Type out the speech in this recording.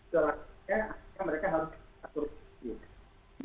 seratnya mereka harus atur